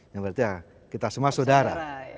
yang berarti ya kita semua saudara